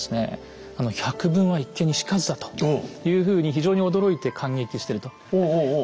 「百聞は一見に如ずだ」というふうに非常に驚いて感激してると。